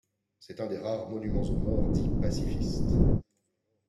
C'est un des rares monuments aux morts dits pacifistes.